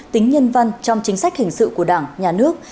tính nhân văn trong chính sách hình sự của đảng nhà nước